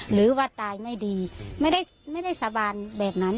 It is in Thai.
หรือว่าตายไม่ดีไม่ได้สาบานแบบนั้น